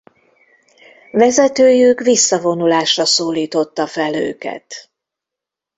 Vezetőjük visszavonulásra szólította fel őket.